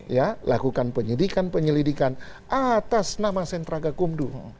ya lakukan penyelidikan penyelidikan atas nama sentraga kumdo